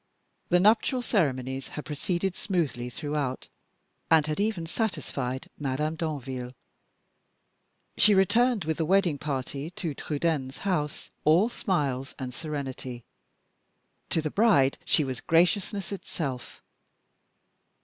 The nuptial ceremonies had proceeded smoothly throughout, and had even satisfied Madame Danville. She returned with the wedding party to Trudaine's house, all smiles and serenity. To the bride she was graciousness itself.